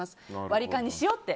割り勘にしようって。